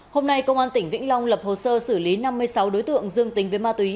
hôm nay công an tỉnh vĩnh long lập hồ sơ xử lý năm mươi sáu đối tượng dương tình với ma túy